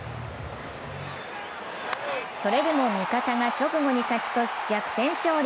それでも味方が直後に勝ち越し逆転勝利。